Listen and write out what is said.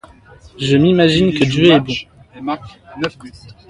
Je m’imagine que Dieu est bon.